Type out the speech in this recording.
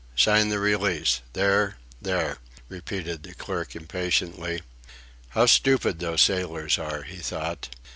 Sign the release. There there," repeated the clerk, impatiently. "How stupid those sailors are!" he thought.